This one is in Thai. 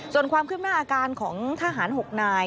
ส่วนความคืบหน้าอาการของทหาร๖นาย